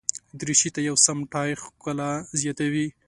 دریشي ته یو سم ټای ښکلا زیاتوي.